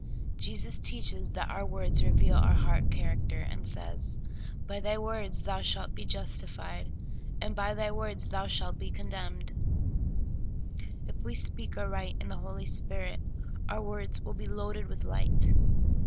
Jesus teaches that our words reveal our heart character, and says : "By thy words thou shalt be justified, and by thy words thou shalt be condemned." If we speak or write in the Holy Spirit, our words will be loaded with light.